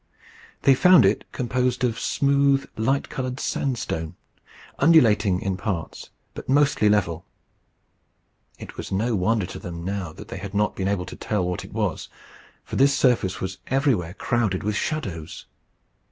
They found it composed of smooth, light coloured sandstone, undulating in parts, but mostly level. It was no wonder to them now that they had not been able to tell what it was, for this surface was everywhere crowded with shadows.